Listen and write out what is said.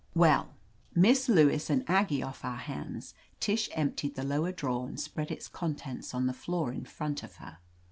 Well, Miss Lewis and Aggie off our hands> Tish emptied the lower drawer and q>read its contents on the floor in front of her.